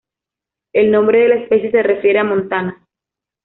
El nombre de la especie se refiere a Montana.